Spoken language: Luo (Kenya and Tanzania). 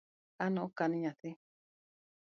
An ok an nyathi